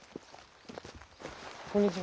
こんにちは。